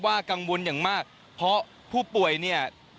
กังวลอย่างมากเพราะผู้ป่วยเนี่ย